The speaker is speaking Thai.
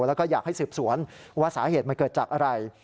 แล้วก็อยากให้สืบสวนว่าสาเหตุมันเกิดจากอะไร